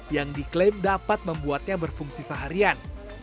yang diklaim dapat membuatnya berfungsi seharian